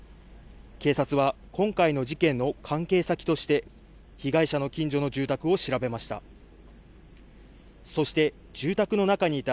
警察は今回の事件の関係先として被害者の近所の住宅を調べました。